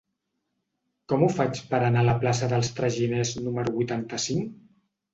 Com ho faig per anar a la plaça dels Traginers número vuitanta-cinc?